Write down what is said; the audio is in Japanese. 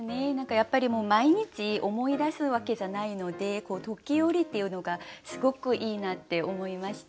やっぱり毎日思い出すわけじゃないので「ときおり」っていうのがすごくいいなって思いました。